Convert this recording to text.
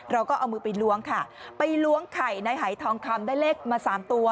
เราก็เอามือไปล้วงค่ะไปล้วงไข่ในหายทองคำได้เลขมาสามตัว